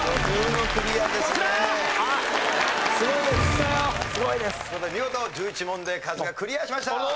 見事１１問でカズがクリアしました。